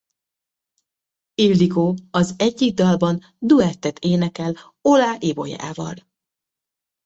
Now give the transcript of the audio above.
Ildikó az egyik dalban duettet énekel Oláh Ibolyával.